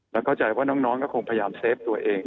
และเข้าใจว่าน้องก็คงพยายามเซฟตัวเอง